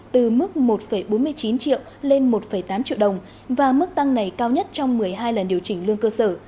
từ mức một bốn mươi chín triệu lên một tám triệu đồng và mức tăng này cao nhất trong một mươi hai lần điều chỉnh lương cơ sở